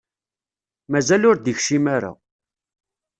Mazal ur d-ikcim ara.